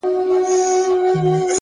هره لاسته راوړنه د زحمت نښه ده،